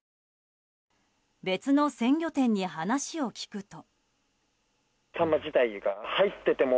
別の鮮魚店に話を聞くと。